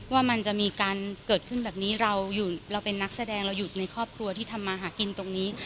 ว่ามันจะมีการเกิดขึ้นแบบนี้เราเป็นนักแสดงเราอยู่ในครอบครัวที่ทำมาหากินตรงนี้